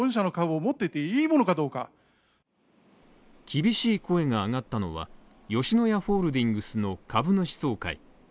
厳しい声が上がったのは吉野家ホールディングスの株主総会。